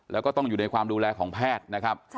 แล้วก็ต้องอยู่ในความดูแลของแพทย์นะครับ